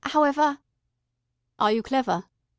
However " "Are you clever?"